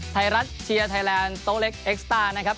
ไทยรัฐเชียร์ไทยแลนด์โต๊ะเล็กเอ็กซ์ตานะครับ